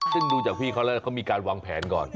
ซึ่งดูจากพี่เขาแล้วเขามีการวางแผนก่อน